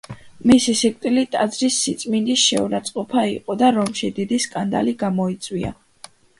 მისი სიკვდილი ტაძრის სიწმინდის შეურაცყოფა იყო და რომში დიდი სკანდალი გამოიწვია.